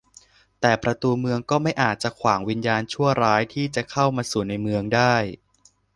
แต่ประตูเมืองก็ไม่อาจจะขวางวิญญาณชั่วร้ายที่จะเข้ามาสู่ในเมืองได้